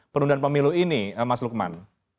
penundaan pemilu ini mas lukman